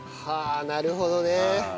「はあなるほどね！」